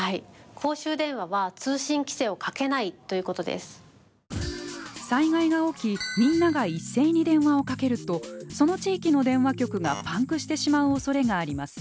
公衆電話は災害が起きみんなが一斉に電話をかけるとその地域の電話局がパンクしてしまう恐れがあります。